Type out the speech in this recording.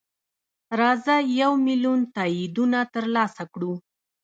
راځه یو میلیون تاییدونه ترلاسه کړو.